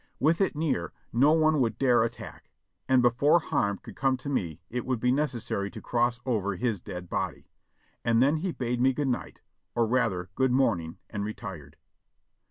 With it near no one would dare at tack, and before harm could come to me it would be necessary to cross over his dead body ; and then he bade me good night, or rather good morning, and retired.